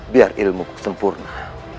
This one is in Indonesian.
biar ilmu ku sempurna